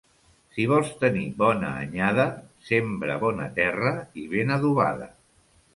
Si vols tenir bona anyada sembra bona terra i ben adobada.